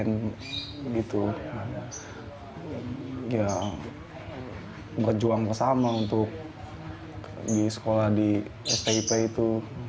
dan gitu ya berjuang bersama untuk di sekolah di stip itu